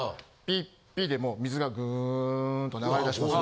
ピッピッでもう水がグーンと流れ出しますよね。